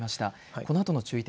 このあとの注意点